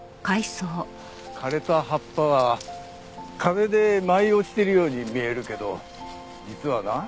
枯れた葉っぱは風で舞い落ちてるように見えるけど実はな